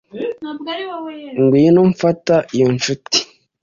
ngwino, mfata iyo ncuti. ”